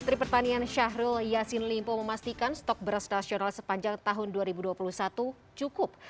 menteri pertanian syahrul yassin limpo memastikan stok beras nasional sepanjang tahun dua ribu dua puluh satu cukup